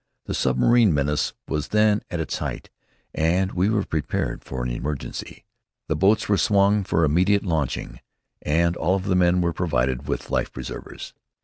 The submarine menace was then at its height, and we were prepared for an emergency. The boats were swung ready for immediate launching, and all of the men were provided with life preservers.